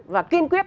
và kiên quyết